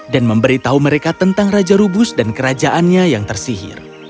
dan memberitahu mereka tentang raja rubus dan kerajaannya yang tersihir